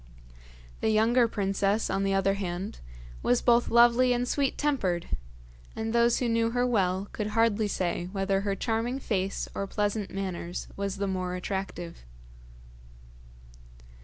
The younger princess, on the other hand, was both lovely and sweet tempered, and those who knew her well could hardly say whether her charming face or pleasant manners was the more attractive.